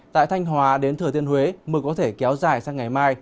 tại thanh hòa đến thừa tiên huế mưa có thể kéo dài sang ngày mai